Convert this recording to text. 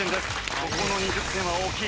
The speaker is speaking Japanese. ここの２０点は大きい。